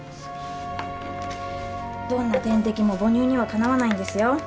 どんな点滴も母乳にはかなわないんですよ